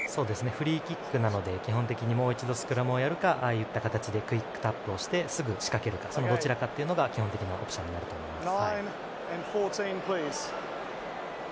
フリーキックなので基本的にもう一度スクラムをやるかクイックタップしてすぐ仕掛けるかそのどちらかが基本的なオプションになると思います。